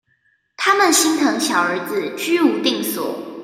他們心疼小兒子居無定所